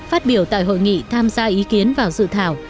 hiểu tại hội nghị tham gia ý kiến và dự thảo